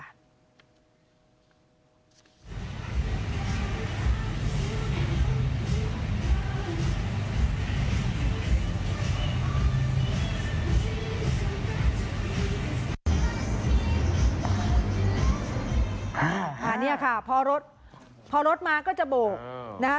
อันนี้ค่ะพอรถพอรถมาก็จะโบกนะคะ